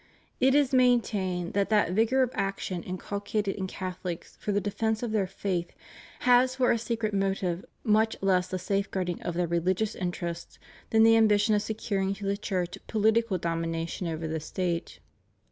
It is maintained that that vigor of action inculcated in Catholics for the defence of their faith has for a secret motive much less the safeguarding of their religious interests than the ambition of securing to the Church political domination over the State.